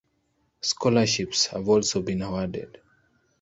Scholarships have also been awarded.